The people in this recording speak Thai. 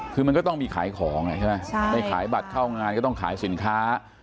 คือมันก็ต้องมีขายของใช่ไหมไปขายบัตรเข้างานก็ต้องขายสินค้า